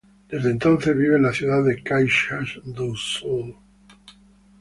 Desde entonces vive en la ciudad de Caxias do Sul.